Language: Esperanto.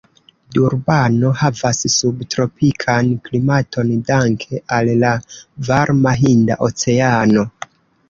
Durbano havas sub-tropikan klimaton danke al la varma Hinda Oceano.